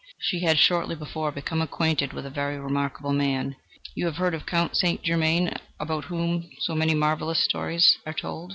She had shortly before become acquainted with a very remarkable man. You have heard of Count St. Germain, about whom so many marvellous stories are told.